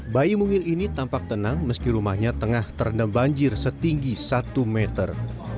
bayi mungil ini tampak tenang meski rumahnya tengah terendam banjir setinggi satu meter